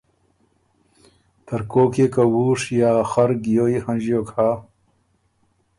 ترکوک يې که وُوش یا خر ګیوی هنݫیوک هۀ